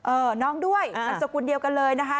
น้องด้วยนามสกุลเดียวกันเลยนะคะ